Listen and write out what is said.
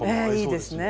いいですね。